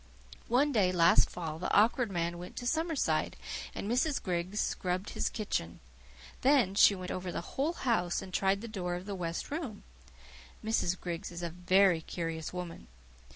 One day last fall the Awkward Man went to Summerside, and Mrs. Griggs scrubbed his kitchen. Then she went over the whole house and she tried the door of the west room. Mrs. Griggs is a VERY curious woman.